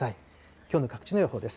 きょうの各地の予報です。